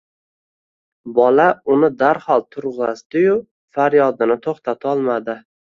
Bola uni darhol turg'azdiyu, faryodini to'xtatolmadi.